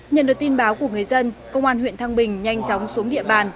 nhận được tin báo của người dân công an huyện thăng bình nhanh chóng xuống địa bàn